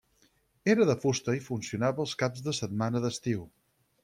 Era de fusta i funcionava els caps de setmana d'estiu.